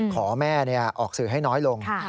ขอแม่ออกสื่อให้น้อยลง